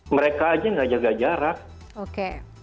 mereka saja tidak menjaga jarak